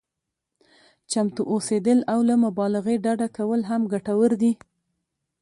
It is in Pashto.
چمتو اوسېدل او له مبالغې ډډه کول هم ګټور دي.